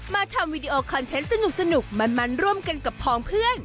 มาทำวีดีโอคอนเทนต์สนุกมันร่วมกันกับพองเพื่อน